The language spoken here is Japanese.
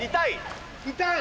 痛い？